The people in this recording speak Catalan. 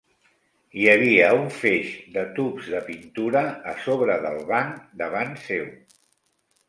Hi havia un feix de tubs de pintura a sobre del banc davant seu.